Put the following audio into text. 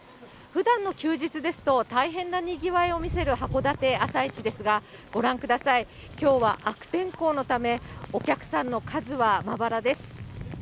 ふだんの休日ですと、大変なにぎわいを見せる函館朝市ですが、ご覧ください、きょうは悪天候のため、お客さんの数はまばらです。